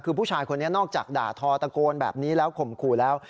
คือผู้ชายคนนี้นอกจากด่าทอตะโกนแบบนี้แล้วข่มขู่แล้ว